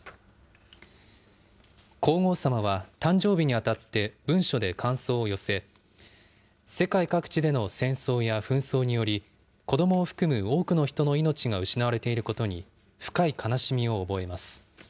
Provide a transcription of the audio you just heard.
皇后さまは、誕生日にあたって文書で感想を寄せ、世界各地での戦争や紛争により、子どもを含む多くの人の命が失われていることに深い悲しみを覚えます。